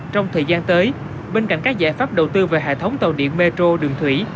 trong thời gian tới bên cạnh các giải pháp đầu tư về hệ thống tàu điện metro đường thủy